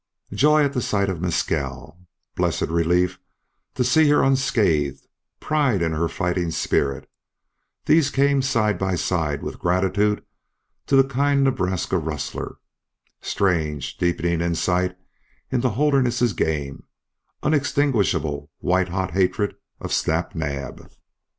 Joy at the sight of Mescal, blessed relief to see her unscathed, pride in her fighting spirit these came side by side with gratitude to the kind Nebraska rustler, strange deepening insight into Holderness's game, unextinguishable white hot hatred of Snap Naab.